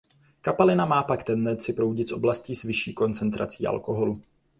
Kapalina má pak tendenci proudit z oblasti s vyšší koncentrací alkoholu.